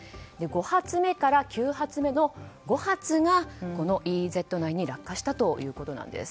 ５発目から９発目の５発が、このＥＥＺ内に落下したということです。